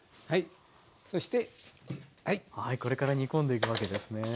はいこれから煮込んでいくわけですね。